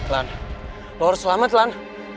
lan lo harus selamat lan